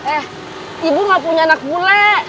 eh ibu gak punya anak bule